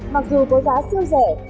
mặc dù có giá siêu rẻ